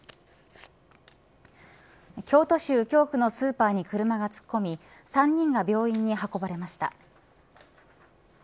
京都市右京区のスーパーに車が突っ込み３人が病院に運ばれました。